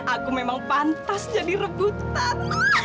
aku memang pantas jadi rebutan